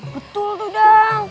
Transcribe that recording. betul tuh dang